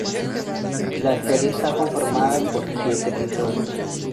La serie está conformada por siete episodios.